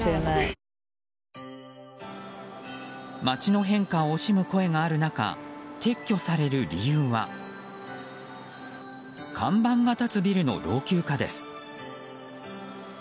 街の変化を惜しむ声がある中撤去される理由は看板が立つビルの老朽化です。